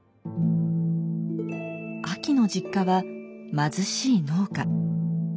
あきの実家は貧しい農家。